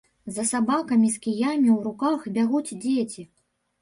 За сабакамі з кіямі ў руках бягуць дзеці.